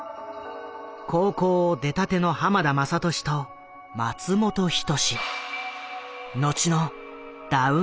高校を出たての浜田雅功と松本人志。